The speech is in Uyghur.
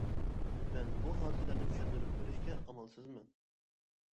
مەن بۇ ھادىسىلەرنى چۈشەندۈرۈپ بېرىشكە ئامالسىزمەن.